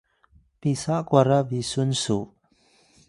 pisa kwara bisun su?